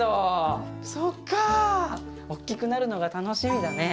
そっか大きくなるのが楽しみだね。